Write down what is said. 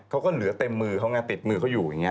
เขาก็เหลือเต็มมือเขาไงติดมือเขาอยู่อย่างนี้